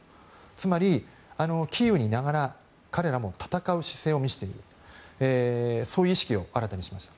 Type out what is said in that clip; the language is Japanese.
つまりキーウにいながら彼らも戦う姿勢を見せているそういう意識を改めて感じました。